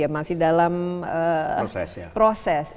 masih dalam proses ya